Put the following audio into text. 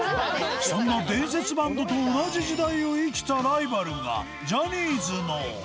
そんな伝説バンドと同じ時代を生きたライバルがジャニーズの。